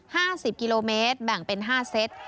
ห้าสิบกิโลเมตรแบ่งเป็นห้าเซต